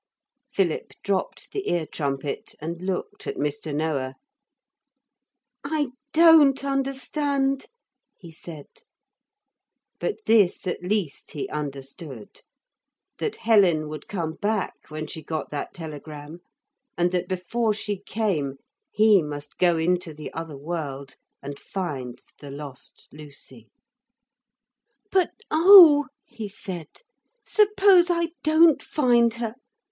Philip dropped the ear trumpet and looked at Mr. Noah. 'I don't understand,' he said. But this at least he understood. That Helen would come back when she got that telegram, and that before she came he must go into the other world and find the lost Lucy. 'But oh,' he said, 'suppose I don't find her.